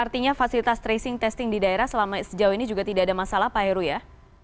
artinya fasilitas tracing testing di daerah selama sejauh ini juga tidak ada masalah pak heru ya